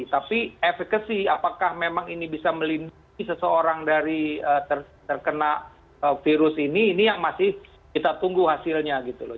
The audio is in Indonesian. tapi efekasi apakah memang ini bisa melindungi seseorang dari terkena virus ini ini yang masih kita tunggu hasilnya gitu loh